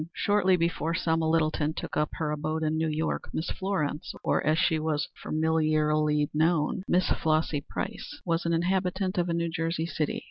Shortly before Selma Littleton took up her abode in New York, Miss Florence, or, as she was familiarly known, Miss Flossy Price, was an inhabitant of a New Jersey city.